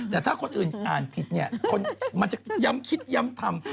แต่ถ้าคนอื่นอ่านผิดเนี่ยมันจะย้ำคิดย้ำทำ